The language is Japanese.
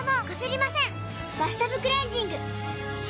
「バスタブクレンジング」！